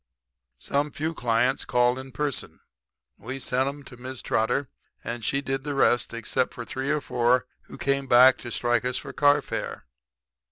"Some few clients called in person. We sent 'em to Mrs. Trotter and she did the rest; except for three or four who came back to strike us for carfare.